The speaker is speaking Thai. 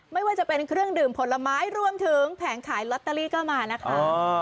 ไม่ว่าจะเป็นเครื่องดื่มผลไม้รวมถึงแผงขายลอตเตอรี่ก็มานะคะ